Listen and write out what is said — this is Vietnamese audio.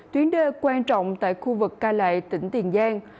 tuyến đê quan trọng tại khu vực cai lệ tỉnh tiền giang